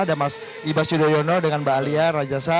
ada mas ibas yudhoyono dengan mbak alia rajasa